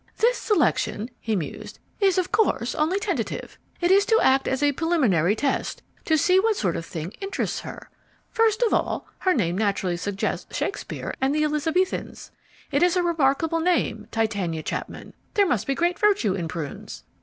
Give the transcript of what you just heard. "This selection," he mused, "is of course only tentative. It is to act as a preliminary test, to see what sort of thing interests her. First of all, her name naturally suggests Shakespeare and the Elizabethans. It's a remarkable name, Titania Chapman: there must be great virtue in prunes!